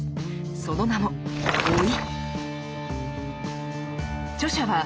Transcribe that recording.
その名も「老い」。